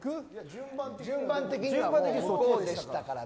順番的にはそっちでしたからね。